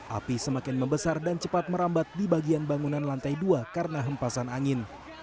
api semakin membesar dan cepat merambat di bagian bangunan lantai dua karena hempasan angin